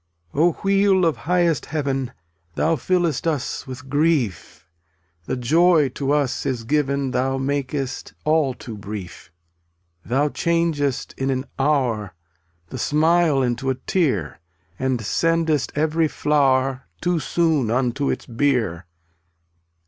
286 Oh, Wheel of highest Heaven Thou flllest us with grief; The joy to us is given Thou makest all too brief; Thou changest in an hour The smile into a tear, And sendest every flower Too soon unto its bier.